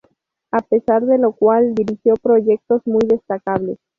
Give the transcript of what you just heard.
A pesar de lo cual dirigió proyectos muy destacables.